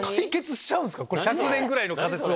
１００年ぐらいの仮説を。